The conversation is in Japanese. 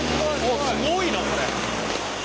おっすごいなこれ。